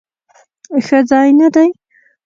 ښه ځای نه دی؟